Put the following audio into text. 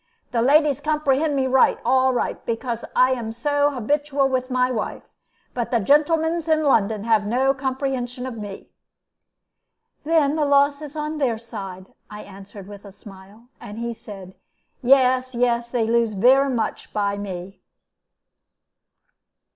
"The ladies comprehend me right, all right, because I am so habitual with my wife. But the gentlemans in London have no comprehension of me." "Then the loss is on their side," I answered, with a smile; and he said, "Yes, yes, they lose vere much by me."